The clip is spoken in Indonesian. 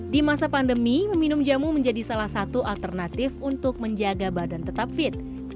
di masa pandemi meminum jamu menjadi salah satu alternatif untuk menjaga badan tetap fit